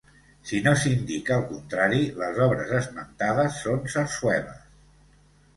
Si no s'indica el contrari, les obres esmentades són sarsueles.